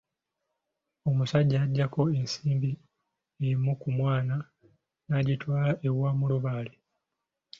Omusajja yaggyako ensimbi emu ku mwana, n'agitwala ew’omulubaale.